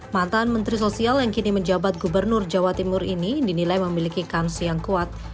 mantan menteri sosial yang kini menjabat gubernur jawa timur ini dinilai memiliki kans yang kuat